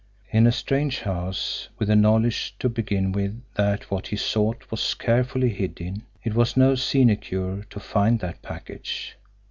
In a strange house, with the knowledge to begin with that what he sought was carefully hidden, it was no sinecure to find that package.